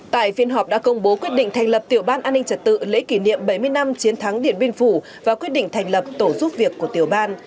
tại phiên họp đã công bố quyết định thành lập tiểu ban an ninh trật tự lễ kỷ niệm bảy mươi năm chiến thắng điện biên phủ và quyết định thành lập tổ giúp việc của tiểu ban